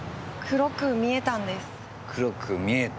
黒く見えたですか。